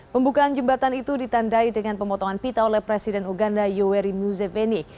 pembukaan jembatan itu ditandai dengan pemotongan pita oleh presiden uganda yoweri muzevene